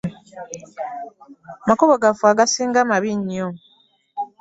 Amakubo gaffe agasinga mabi nnyo.